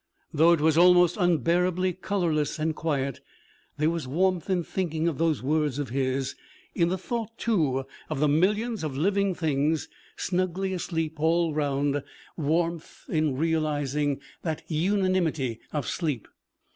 Though it was almost unbearably colorless, and quiet, there was warmth in thinking of those words of his; in the thought, too, of the millions of living things snugly asleep all round; warmth in realizing that unanimity of sleep.